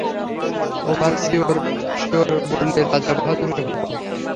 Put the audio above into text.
Overseer বললে, রাজাবাহাদুরের হুকুম।